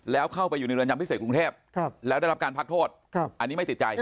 แล้วเข้าไปอยู่ในเรือนจำพิเศษกรุงเทพแล้วได้รับการพักโทษอันนี้ไม่ติดใจ